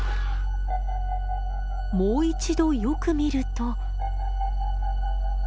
もう一度よく見ると。